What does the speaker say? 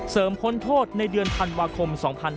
เสริมคนโทษในเดือนพันวาคม๒๕๕๕